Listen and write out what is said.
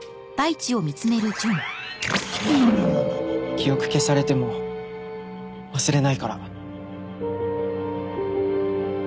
記憶消されても忘れないから。